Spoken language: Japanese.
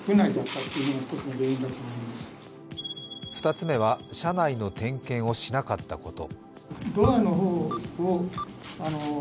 ２つ目は、車内の点検をしなかったこと。